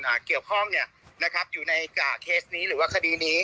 เกี่ยวข้องเนี้ยนะครับอยู่ในอ่าเคสนี้หรือว่าคดีนี้